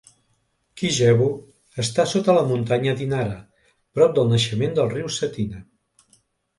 Kijevo està sota la muntanya Dinara, prop del naixement del riu Cetina.